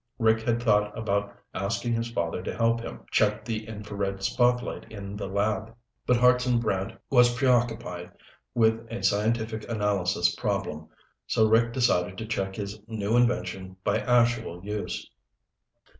Rick had thought about asking his father to help him check the infrared spotlight in the lab, but Hartson Brant was preoccupied with a scientific analysis problem, so Rick decided to check his new invention by actual use.